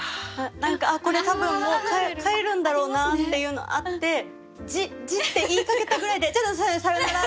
何かああこれ多分もう帰るんだろうなっていうのあって「じじ」って言いかけたぐらいで「じゃじゃあさよなら」